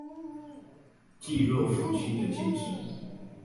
濟弱扶傾的精神